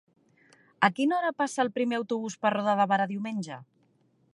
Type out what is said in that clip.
A quina hora passa el primer autobús per Roda de Berà diumenge?